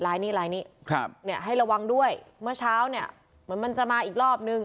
ลายนี้ครับเนี่ยให้ระวังด้วยเมื่อเช้าเนี่ยเหมือนมันจะมาอีกรอบนึง